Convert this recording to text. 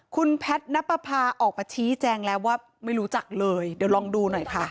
คุณแพทย์นับประพาออกมาชี้แจงแล้วว่าไม่รู้จักเลยเดี๋ยวลองดูหน่อยค่ะ